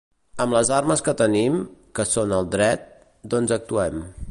Amb les armes que tenim, que són el dret, doncs actuem.